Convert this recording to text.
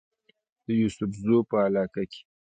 د يوسفزو پۀ علاقه کې